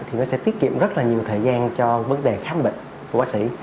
thì nó sẽ tiết kiệm rất là nhiều thời gian cho vấn đề khám bệnh của bác sĩ